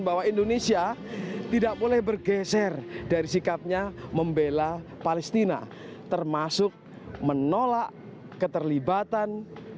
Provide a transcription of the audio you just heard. bahwa indonesia tidak boleh bergeser dari sikapnya membela palestina termasuk menolak keterlibatan